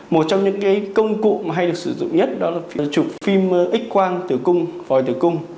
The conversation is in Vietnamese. một trong những cái công cụ hay được sử dụng nhất đó là chụp phim x quang tử cung vòi tử cung